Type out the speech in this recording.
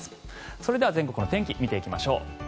それでは全国の天気見ていきましょう。